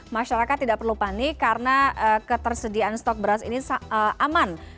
masyarakat tidak perlu panik karena ketersediaan stok beras ini aman